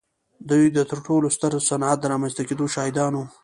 دوی د تر ټولو ستر صنعت د رامنځته کېدو شاهدان وو.